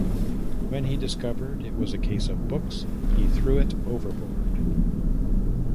When he discovered it was a case of books, he threw it overboard.